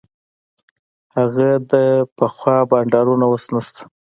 هغه د پخوا بانډارونه اوس نسته.